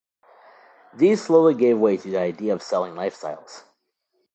These slowly gave way to the idea of selling lifestyles.